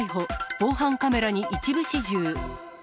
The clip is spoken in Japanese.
防犯カメラに一部始終。